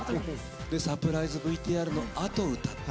サプライズＶＴＲのあと歌った。